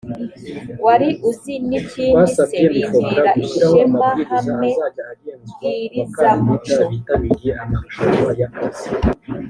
wari uzi n ikindi se bintera ishemahame mbwirizamuco